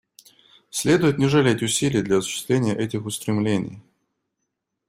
Следует не жалеть усилий для осуществления этих устремлений.